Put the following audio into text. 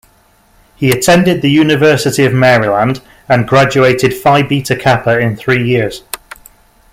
He attended the University of Maryland and graduated Phi Beta Kappa in three years.